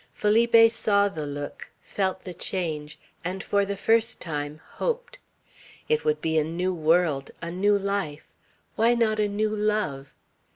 Felipe saw the look, felt the change, and for the first time hoped. It would be a new world, a new life; why not a new love?